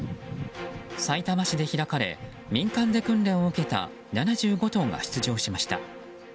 さいたま市で開かれ民間で訓練を受けた７５頭が出場しました。